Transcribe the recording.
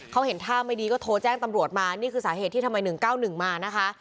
เขาเห็นท่าไม่ดีก็โทรแจ้งตำรวจมานี่คือสาเหตุที่ทำไม๑๙๑มานะคะ